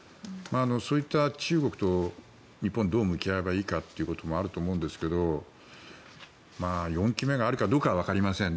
そういった中国と日本はどう向き合えばいいかというのもあると思うんですけど４期目があるかどうかはわかりません。